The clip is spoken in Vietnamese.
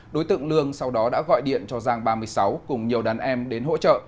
đối tượng lương sau đó đã gọi điện cho giang ba mươi sáu cùng nhiều đàn em đến hỗ trợ